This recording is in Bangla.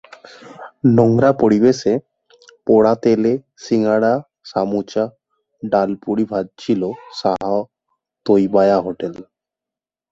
নোংরা পরিবেশে পোড়া তেলে শিঙাড়া, সমুচা, ডালপুরি ভাজছিল শাহ তৈয়বিয়া হোটেল।